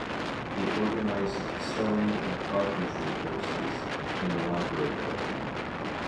He organized sewing and carpentry courses in the library building.